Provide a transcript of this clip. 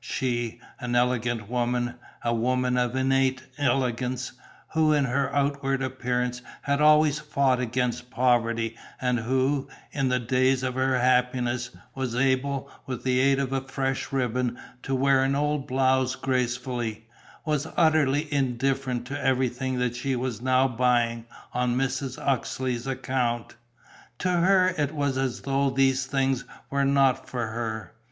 She, an elegant woman, a woman of innate elegance, who in her outward appearance had always fought against poverty and who, in the days of her happiness, was able, with the aid of a fresh ribbon, to wear an old blouse gracefully, was utterly indifferent to everything that she was now buying on Mrs. Uxeley's account. To her it was as though these things were not for her.